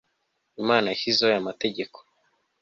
Imana yashyizeho ayo mategeko